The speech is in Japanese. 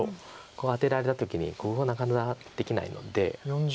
アテられた時にここがなかなかできないので１眼が。